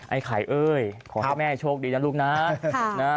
ไอ้ไข่เอ้ยขอให้แม่โชคดีนะลูกนะ